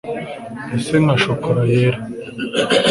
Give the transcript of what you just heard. ese nka chocolat yera